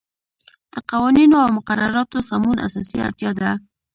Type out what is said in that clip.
د قوانینو او مقرراتو سمون اساسی اړتیا ده.